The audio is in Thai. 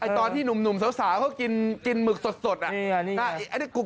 ตอนที่หนุ่มสาวเขากินหมึกสดนี่ครับ